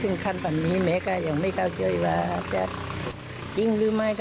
ซึ่งขั้นตอนนี้แม้ก็ยังไม่เข้าใจว่าจะจริงหรือไม่